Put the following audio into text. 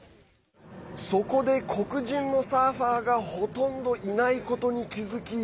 そこで黒人のサーファーがほとんどいないことに気付き